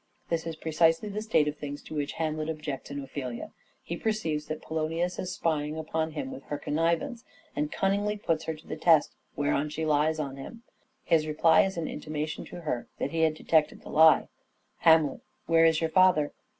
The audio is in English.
This is precisely the state of things to which Hamlet objects in Ophelia. He perceives that Polonius is spying upon him with her connivance, and cunningly puts her to the test ; whereon she lies to him. His reply is an intimation to her that he had detected the lie. Hamlet. Where is your father